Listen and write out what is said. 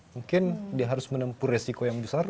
mungkin dia harus menempuh resiko yang besar